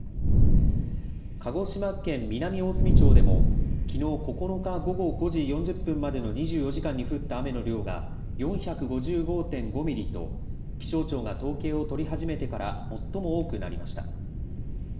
鹿児島県南大隅町でもきのう９日午後５時４０分までの２４時間に降った雨の量が４５５．５ミリと気象庁が統計を取り始めてから最も多くなりました。